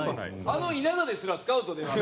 あの稲田ですらスカウトでは。